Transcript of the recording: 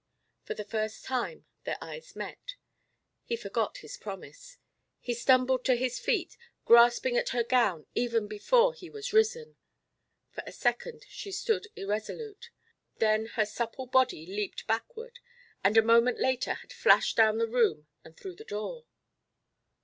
For the first time their eyes met. He forgot his promise. He stumbled to his feet, grasping at her gown even before he was risen. For a second she stood irresolute; then her supple body leaped backward, and a moment later had flashed down the room and through the door.